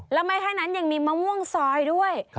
แล้วไม่แค่นั้นยังมีมะม่วงซอยด้วย